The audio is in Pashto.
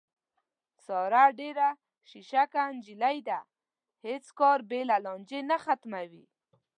ساره ډېره شیشکه نجیلۍ ده، هېڅ کار بې له لانجې نه ختموي.